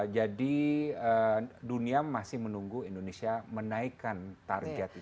jadi dunia masih menunggu indonesia menaikkan target itu